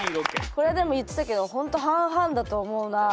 これはでも言ってたけどほんと半々だと思うなあ。